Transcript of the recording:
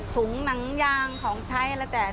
ถุงหนังย่างของใช้อะไรแบบนี้